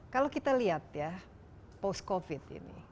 kalau kita lihat ya post covid ini